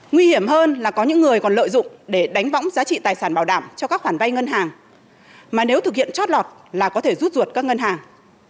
nguy hiểm hơn là có những người còn lợi dụng để đánh võng giá trị tài sản bảo đảm cho các khoản vay ngân hàng mà nếu thực hiện chót lọt là có thể rút ruột các ngân hàng